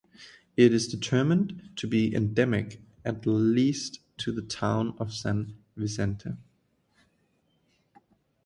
It is determined to be endemic at least to the town of San Vicente.